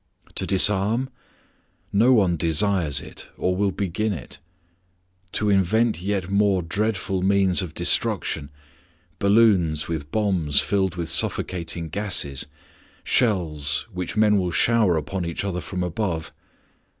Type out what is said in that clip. To disarm? No one desires it or will begin it. To invent yet more dreadful means of destruction balloons with bombs filled with suffocating gases, shells, which men will shower upon each other from above?